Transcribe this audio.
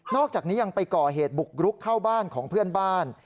อกจากนี้ยังไปก่อเหตุบุกรุกเข้าบ้านของเพื่อนบ้าน